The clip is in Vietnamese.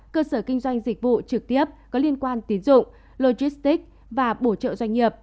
cơ sở kinh doanh dịch vụ trực tiếp có liên quan tín dụng logistics và bổ trợ doanh nghiệp